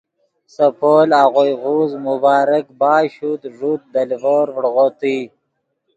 سے پول آغوئے غوز مبارک باشد ݱوت دے لیڤور ڤڑغو تئے